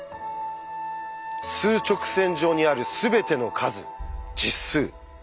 数直線上にあるすべての数「実数」。